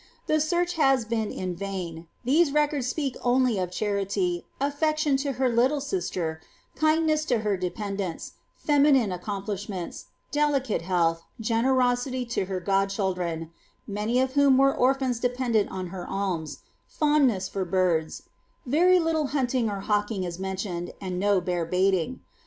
The search has been in vain : these records speak only of charity, aflection to her iitlle sister, kindness to her dependants, feminine accomplishments, delicate health, generosity to her god children (many of whom were orphans dependent on her alms), fondness for birds very little hunting or hawking is mentioned, and no bear baiting.